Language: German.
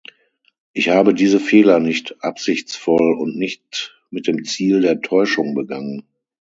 Ich habe diese Fehler nicht absichtsvoll und nicht mit dem Ziel der Täuschung begangen.